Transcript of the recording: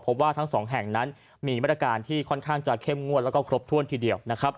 พบว่าทั้งสองแห่งนั้นมีบริการที่ค่อนข้างจะเข้มงวดและครบถ้วนทีเดียว